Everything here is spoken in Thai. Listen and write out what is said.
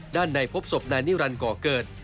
ในพบศพนายนิรันดิก่อเกิด